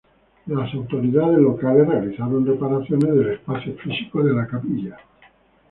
Las autoridades locales realizaron reparaciones del espacio físico de la capilla.